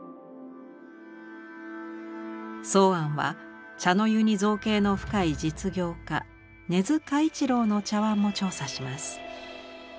箒庵は茶の湯に造詣の深い実業家根津嘉一郎の茶碗も調査します。